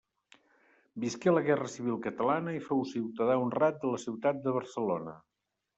Visqué la Guerra civil catalana i fou ciutadà honrat de la ciutat de Barcelona.